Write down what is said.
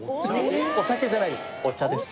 お酒じゃないです